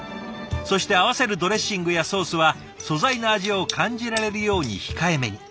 そして合わせるドレッシングやソースは素材の味を感じられるように控えめに。